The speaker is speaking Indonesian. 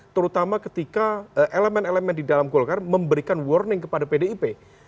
terutama ketika elemen elemen di dalam golkar memberikan warning kepada pdip